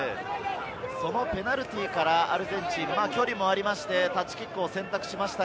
そのペナルティーからアルゼンチン、距離もあってタッチキックを選択しました。